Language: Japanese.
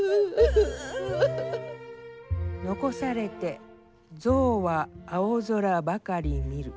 「遺されて象は青空ばかり見る」。